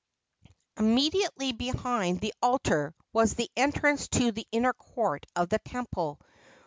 Immediately behind the altar was the entrance to the inner court of the temple.